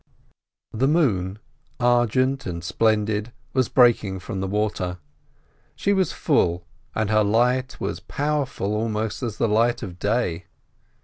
The moon, argent and splendid, was breaking from the water. She was full, and her light was powerful almost as the light of day.